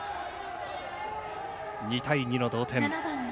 ２対２の同点。